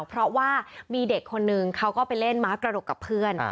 เพราะว่ามีเด็กคนนึงเขาก็ไปเล่นม้ากระดกกับเพื่อน